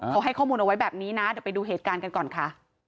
เขาให้ข้อมูลเอาไว้แบบนี้นะเดี๋ยวไปดูเหตุการณ์กันก่อนค่ะ